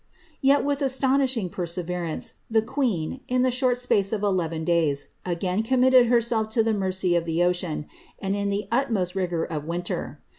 Yet, with astonishing perseverance, tlie qncen, in tlie short space of elerao / days, again committed hersiMf to the mercy of the ocean, and in the utmost rifov of winter.